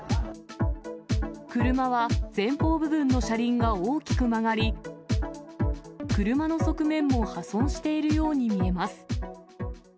車は前方部分の車輪が大きく曲がり、車の側面も破損しているように見えます。